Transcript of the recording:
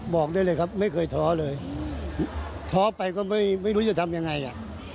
บอกได้เลยครับไม่เคยท้อเลยท้อไปก็ไม่รู้จะทำยังไงอ่ะ